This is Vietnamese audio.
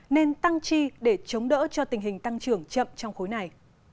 nên tăng chi để chống đỡ cho tình hình tăng trưởng chậm trong khối này